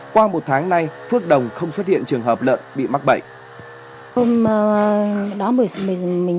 qua một tháng nay phước đồng không xuất hiện trường hợp lợn bị mắc bệnh